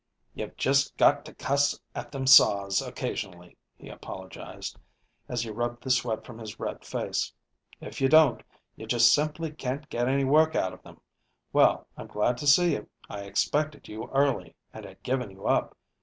"You've just got to cuss at them Saws occasionally," he apologized, as he rubbed the sweat from his red face. "If you don't, you just simply can't get any work out of them. Well, I'm glad to see you. I expected you early and had given you up.